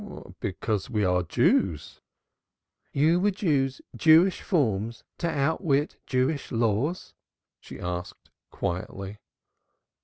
"Because we are Jews." "You would use Jewish forms to outwit Jewish laws?" she asked quietly.